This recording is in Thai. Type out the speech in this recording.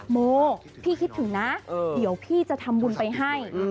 โมพี่คิดถึงนะเดี๋ยวพี่จะทำบุญไปให้